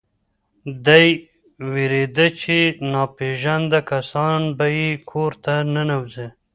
دی وېرېده چې ناپېژانده کسان به یې کور ته ننوځي.